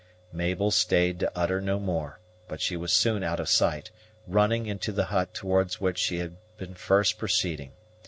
Mabel stayed to utter no more; but she was soon out of sight, running into the hut towards which she had been first proceeding.